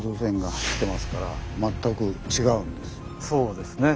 そうですね。